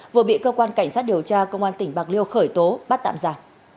vừa bị cơ quan cảnh sát điều tra công an tỉnh bạc liêu khởi tố bắt tạm giả